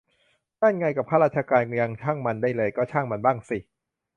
นั่นไง กับข้าราชการยังช่างมันได้เลย ก็ช่างมันบ้างสิ